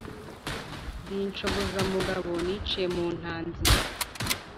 Ndi inshogozamugabo, niciye mu ntanzi,